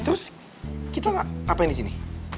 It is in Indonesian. itu kita apa yang disini